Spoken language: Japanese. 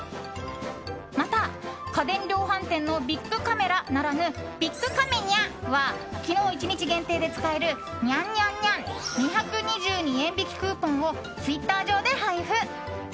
また、家電量販店のビックカメラならぬビックカメニャは昨日１日限定で使えるニャンニャンニャン２２２円引きクーポンをツイッター上で配布。